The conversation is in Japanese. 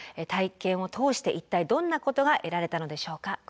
体験を通して一体どんなことが得られたのでしょうか。